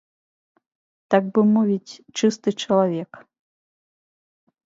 Так бы мовіць, чысты чалавек.